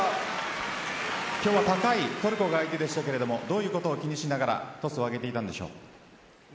今日は高いトルコが相手でしたがどういうことを気にしながらトスを上げていたんでしょう。